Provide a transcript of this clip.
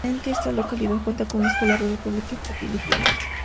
Esta localidad cuenta con una escuela rural pública de Infantil y Primaria.